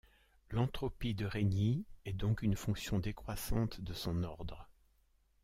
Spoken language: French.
L'entropie de Rényi est donc une fonction décroissante de son ordre.